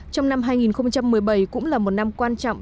trong năm hai nghìn một mươi bảy cũng là một năm quan trọng